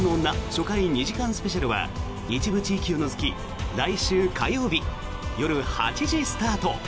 初回２時間スペシャルは一部地域を除き来週火曜日夜８時スタート。